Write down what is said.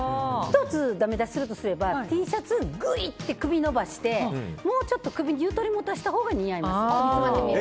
１つだめ出しするとすればＴシャツ、ぐいって首伸ばしてもうちょっと首にゆとりを持たせたほうが似合います。